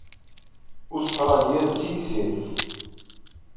Ustṛalya d tigzirt?